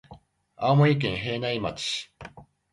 青森県平内町